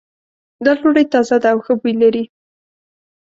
دا ډوډۍ تازه ده او ښه بوی لری